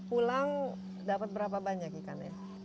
pulang dapat berapa banyak ikannya